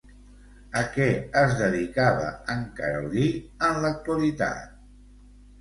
A què es dedicava en Carolí en l'actualitat?